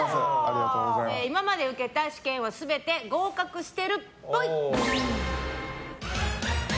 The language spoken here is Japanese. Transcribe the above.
今まで受けた試験は全て合格してるっぽい。